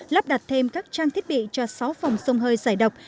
lắp đặt thêm các trang thiết bị cho sáu phòng sông hơi giải độc